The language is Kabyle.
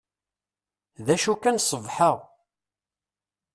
D acu kan sbeḥ-a.